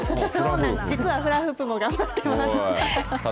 実はフラフープも頑張ってます。